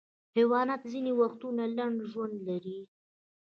حیوانات ځینې وختونه لنډ ژوند لري.